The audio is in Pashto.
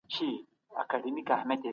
د ژړا اصلي موخه لا هم تر بحث لاندې ده.